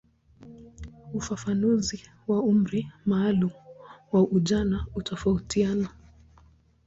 Ufafanuzi wa umri maalumu wa ujana hutofautiana.